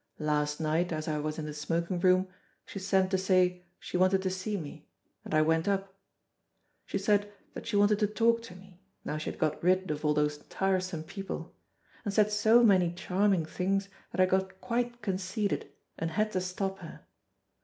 Last night, as I was in the smoking room she sent to say she wanted to see me, and I went up. She said that she wanted to talk to me, now she had got rid of all those tiresome people, and said so many charming things that I got quite conceited, and had to stop her.